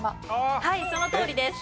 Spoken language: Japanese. はいそのとおりです。